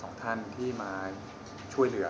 ของท่านที่มาช่วยเหลือ